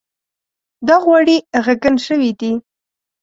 دا غوړي ږغن شوي دي.